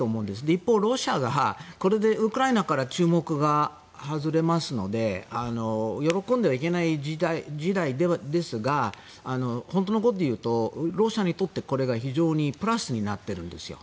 一方、ロシアがこれでウクライナから注目が外れますので喜んではいけない事態ですが本当のことを言うとロシアにとってこれが非常にプラスになってるんです。